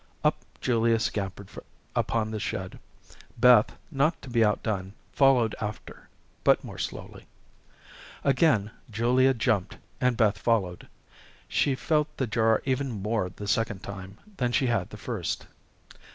Up Julia scampered upon the shed. Beth, not to be outdone, followed after, but more slowly. Again Julia Jumped and Beth followed. She felt the jar even more the second time than she had the first.